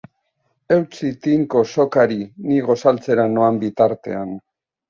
Eutsi tinko sokari ni gosaltzera noan bitartean.